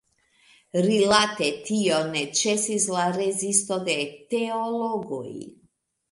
Rilate tion ne ĉesis la rezisto de teologoj.